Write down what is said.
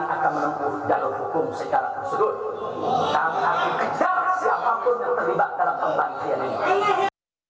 kami akan kejar siapapun yang terlibat dalam pembangkian ini